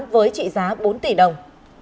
với trị giá bốn tỷ đồng